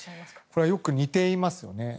これはよく似ていますよね。